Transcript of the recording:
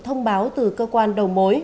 thông báo từ cơ quan đầu mối